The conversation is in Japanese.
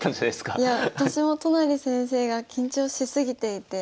いや私も都成先生が緊張し過ぎていて。